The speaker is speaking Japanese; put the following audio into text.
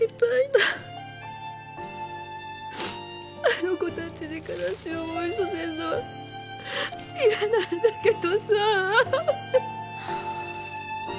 あの子たちに悲しい思いさせるのは嫌なんだけどさ。